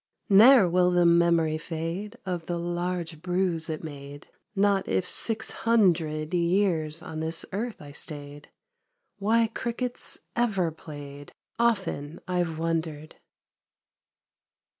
Ne'er will the memory fade Of the large bruise it made, Not if six hundred Years on this earth I stayed. Why cricket's ever played. Often I've wondered